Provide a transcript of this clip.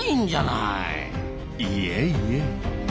いえいえ。